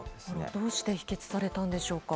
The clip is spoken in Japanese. どうして否決されたんでしょうか。